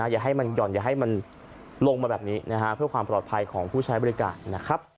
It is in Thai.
อย่าให้มันห่อนอย่าให้มันลงมาแบบนี้เพื่อความปลอดภัยของผู้ใช้บริการนะครับ